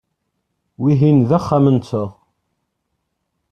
Wihin d axxam-nteɣ.